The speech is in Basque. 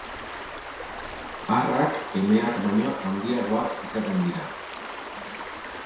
Arrak emeak baino handiagoak izaten dira.